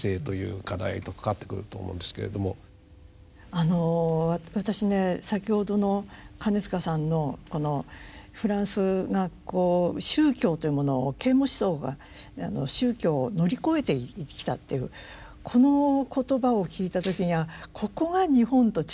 あの私ね先ほどの金塚さんのこのフランスがこう宗教というものを啓蒙思想が宗教を乗り越えてきたというこの言葉を聞いた時に「ああここが日本と違うんだ」